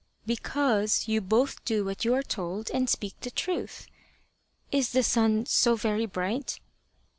"Because you both do what you are told and speak the truth. Is the sun so very bright?"